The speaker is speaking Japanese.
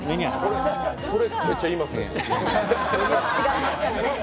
それ、めっちゃ言いますね。